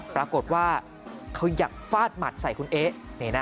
ปรากฏว่าเขาอยากฟาดหมัดใส่คุณเอ๊ะ